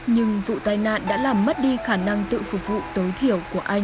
nhưng vì sao họ lại không xuất hiện